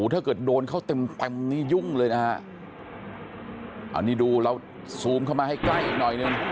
ถ้าเกิดโดนเขาเต็มเต็มนี่ยุ่งเลยนะฮะอันนี้ดูเราซูมเข้ามาให้ใกล้อีกหน่อยหนึ่ง